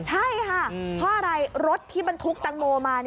ใช่ค่ะเพราะอะไรรถที่บรรทุกตังโมมา